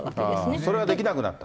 それができなくなった。